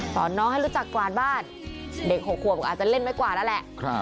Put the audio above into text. สอนน้องให้รู้จักกว่านบ้านเด็กหกหัวอาจจะเล่นไม่กว่าแล้วแหละ